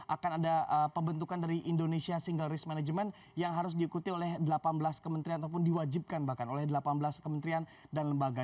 akan ada pembentukan dari indonesia single risk management yang harus diikuti oleh delapan belas kementerian ataupun diwajibkan bahkan oleh delapan belas kementerian dan lembaga